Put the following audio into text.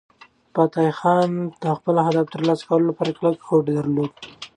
فتح خان د خپلو اهدافو د ترلاسه کولو لپاره کلک هوډ درلود.